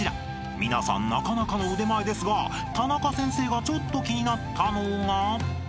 ［皆さんなかなかの腕前ですがタナカ先生がちょっと気になったのが］